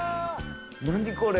何これ！